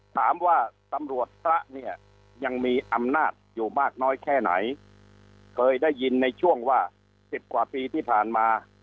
ตำรวจพระเนี่ยยังมีอำนาจอยู่มากน้อยแค่ไหนเคยได้ยินในช่วงว่าสิบกว่าปีที่ผ่านมา